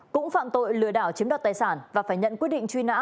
cũng phạm tội lừa đảo chiếm đoạt tài sản và phải nhận quyết định truy nã